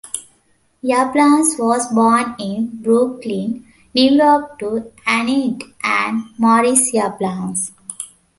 Yablans was born in Brooklyn, New York to Annette and Morris Yablans.